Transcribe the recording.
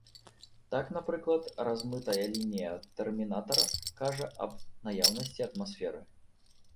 Так, напрыклад, размытая лінія тэрмінатара кажа аб наяўнасці атмасферы.